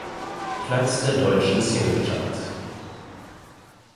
Platz der deutschen Singlecharts.